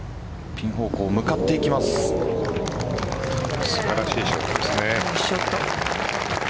ピン方向、向かっていきます。